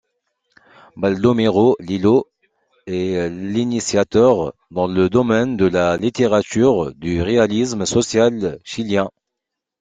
Baldomero Lillo est l’initiateur, dans le domaine de la littérature, du réalisme social chilien.